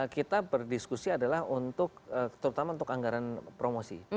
kita berdiskusi adalah untuk terutama untuk anggaran promosi